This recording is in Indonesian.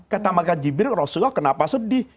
kata maka jibil rasulullah kenapa sedih